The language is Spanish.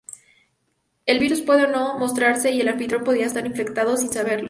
El virus puede o no mostrarse y el anfitrión podría estar infectado sin saberlo.